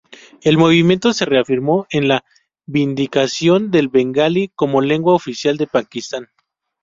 El movimiento se reafirmó en la vindicación del bengalí como lengua oficial de Pakistán.